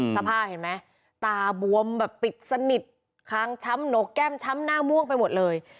สภาพเห็นไหมตาบวมแบบปิดสนิทค้างช้ำหนกแก้มช้ำหน้าม่วงไปหมดเลย